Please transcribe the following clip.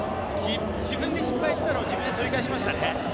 自分で失敗したのを自分で取り返しましたね。